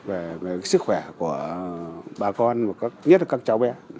về sức khỏe của bà con và nhất là các cháu bé